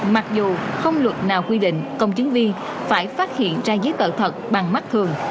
mặc dù không luật nào quy định công chứng viên phải phát hiện ra giấy tờ thật bằng mắt thường